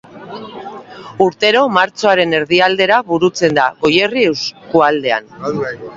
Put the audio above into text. Urtero martxoaren erdialdera burutzen da, Goierri eskualdean.